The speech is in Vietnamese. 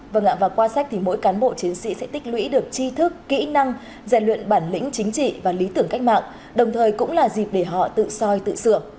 vâng ạ và qua sách thì mỗi cán bộ chiến sĩ sẽ tích lũy được chi thức kỹ năng dạy luyện bản lĩnh chính trị và lý tưởng cách mạng đồng thời cũng là dịp để họ tự soi tự sửa